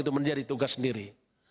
itu menjadi tugas sendiri